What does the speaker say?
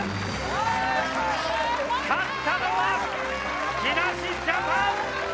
勝ったのは木梨ジャパン！